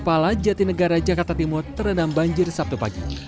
di kawasan kebonpala jatinegara jakarta timur terendam banjir sabtu pagi